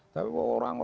tapi orang orang kecil